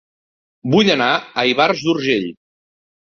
Vull anar a Ivars d'Urgell